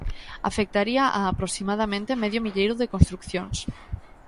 Afectaría a, aproximadamente, medio milleiro de construcións.